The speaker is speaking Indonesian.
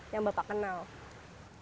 yang bapak kenal